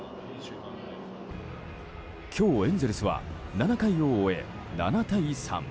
今日エンゼルスは７回を終え７対３。